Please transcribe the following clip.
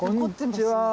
こんにちは。